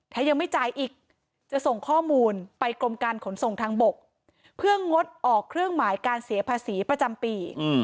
ถ้ายังไม่จ่ายอีกจะส่งข้อมูลไปกรมการขนส่งทางบกเพื่องดออกเครื่องหมายการเสียภาษีประจำปี